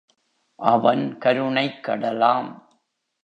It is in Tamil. அவன் கருணைக் கடலாம்.